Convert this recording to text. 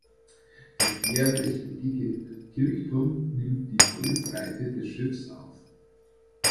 Der querrechteckige Kirchturm nimmt die volle Breite des Schiffs auf.